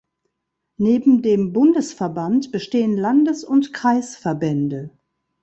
Neben dem Bundesverband bestehen Landes- und Kreisverbände.